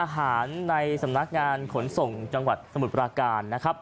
ในสำนักงานขนส่งจังหวัดสมุทรปราการนะครับ